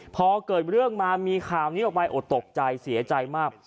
พอเกิดเรื่องมามีข่าวนี้ออกไปโอ้ตกใจเสียใจมาก